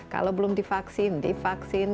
kalau belum divaksin divaksin